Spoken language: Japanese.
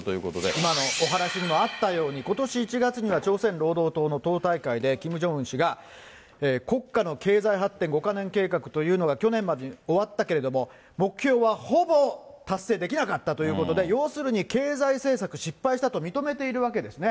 今のお話にもあったように、ことし１月には朝鮮労働党の党大会でキム・ジョンウン氏が、国家の経済発展５か年計画というのが、去年までに終わったけれども、目標はほぼ達成できなかったということで、要するに経済政策失敗したと認めているわけですね。